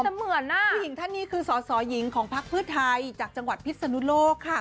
ผู้หญิงท่านนี้คือสอสอยิงของพักพืชไทยจากจังหวัดพิศนุโลกค่ะ